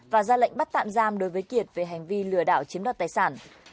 và ra lệnh bắt tạm giam đối với kiệt về hành vi lừa đảo chiếm đoạt tài sản